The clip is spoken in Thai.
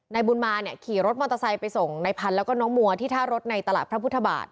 ในบุรมาขี่รถมอเตอร์ไซส์ไปส่งนายพันธุ์และน้องมัวที่ท่ารถในตลาดพระพุทธบาท